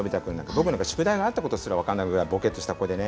僕なんか宿題があったことすら分からないぐらいぼけっとした子でね。